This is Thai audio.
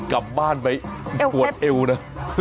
กลับบ้านไปปวดเอวนะ